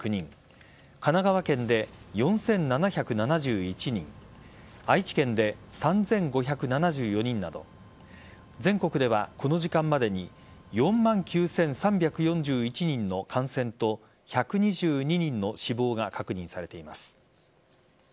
神奈川県で４７７１人愛知県で３５７４人など全国ではこの時間までに４万９３４１人の感染と１２２人の死亡が確認されています。